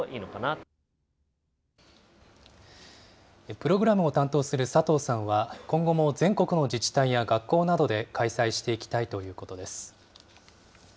プログラムを担当する佐藤さんは、今後も全国の自治体や学校などで開催していきたいということです。